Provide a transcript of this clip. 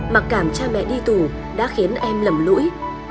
mặc cảm cha mẹ đi tù đã khiến em lầm lỗi